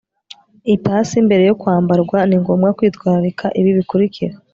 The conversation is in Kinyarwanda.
ipasi mbere yo kwambarwa. ni ngombwa kwitwararika ibi bikurikira